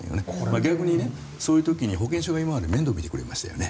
逆にそういう時、保健所が面倒見てくれましたよね。